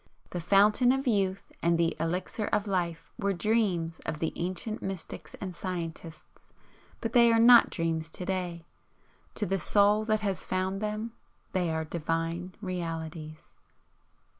The Fountain of Youth and the Elixir of Life were dreams of the ancient mystics and scientists, but they are not dreams to day. To the Soul that has found them they are Divine Realities.